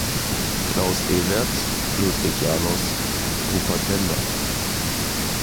Klaus Evertz, Ludwig Janus, Rupert Linder.